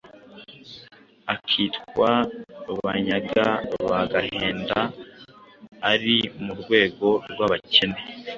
akitwa Banyaga ba Gahenda, ari mu rwego rw'abakene.